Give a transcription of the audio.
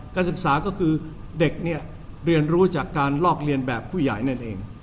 การศึกษาก็คือเด็กเนี่ยเรียนรู้จากการลอกเรียนแบบผู้ใหญ่นั่นเอง